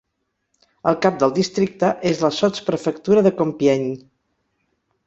El cap del districte és la sotsprefectura de Compiègne.